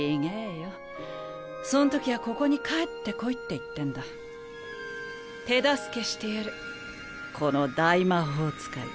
よそん時はここに帰ってこいって言って手助けしてやるこの大魔法使い